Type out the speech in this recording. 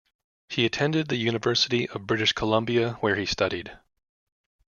He attended the University of British Columbia where he studied.